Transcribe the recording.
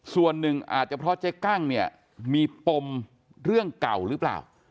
ส่วนหนึ่งอาจจะเพราะเจ๊กั้งเนี่ยมีปมเรื่องเก่าหรือเปล่า